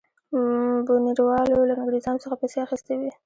بونیروالو له انګرېزانو څخه پیسې اخیستې وې.